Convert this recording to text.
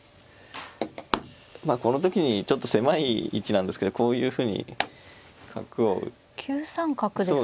まあこの時にちょっと狭い位置なんですけどこういうふうに角を打って。